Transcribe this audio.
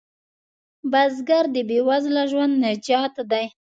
بزګر د بې وزله ژوند نجات دی